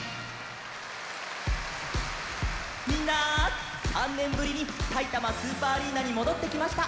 みんな３ねんぶりにさいたまスーパーアリーナにもどってきました。